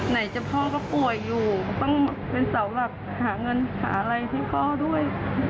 ไหนจะพ่อก็ป่วยอยู่ก็ต้องเป็นเสาหลักหาเงินหาอะไรให้พ่อด้วย